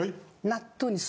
納豆に酢。